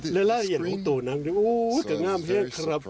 และรายละเอียดของตัวน้ำโอ๊ยกระงามเฮียดครับ